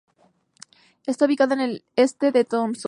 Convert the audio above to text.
Esta ubicada al este de Tromsø.